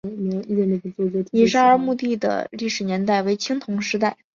乙沙尔墓地的历史年代为青铜时代。